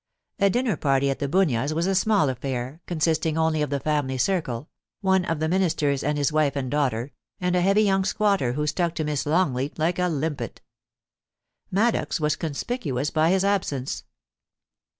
The dinner party at The Bunyas was a small affair, con sisting only of the family circle, one of the Ministers and his wife and daughter, and a heavy young squatter who stuck to Miss Longleat like a limpet Maddox was con spicuous by his absence.